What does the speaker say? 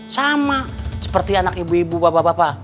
sama seperti anak ibu ibu bapak bapak